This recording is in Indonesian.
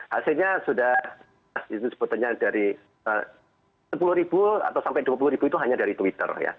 hasilnya sudah itu sebetulnya dari sepuluh ribu atau sampai dua puluh ribu itu hanya dari twitter